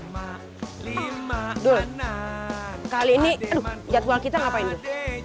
kali ini jadwal kita ngapain dul